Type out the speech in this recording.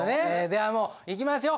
ではもういきますよ。